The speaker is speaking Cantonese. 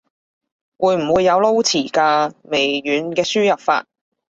會唔會有撈詞㗎？微軟嘅輸入法